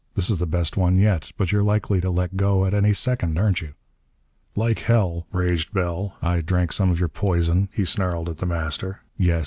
This is the best one yet. But you're likely to let go at any second, aren't you?" "Like hell!" raged Bell. "I drank some of your poison," he snarled at The Master. "Yes!